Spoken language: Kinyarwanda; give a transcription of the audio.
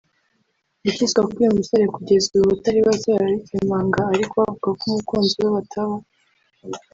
Gukizwa k’uyu musore kugeza ubu abatari bacye barabikemanga ariko we avuga ko umukunzi we bataba